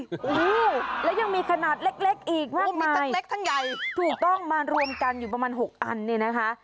โอ้โฮแล้วยังมีขนาดเล็กอีกมากมายถูกต้องมารวมกันอยู่ประมาณ๖อันเนี่ยนะคะ